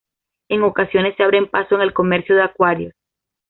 En ocasiones se abre paso en el comercio de acuarios.